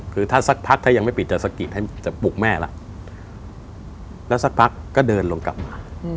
คือถ้าสักพักถ้ายังไม่ปิดจะสะกิดให้จะปลุกแม่ละแล้วแล้วสักพักก็เดินลงกลับมา